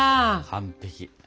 完璧。